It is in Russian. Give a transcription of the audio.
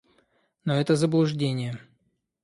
Но это заблуждение.